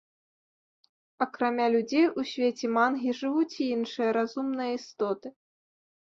Акрамя людзей у свеце мангі жывуць і іншыя разумныя істоты.